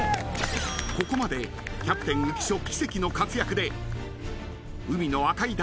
［ここまでキャプテン浮所奇跡の活躍で］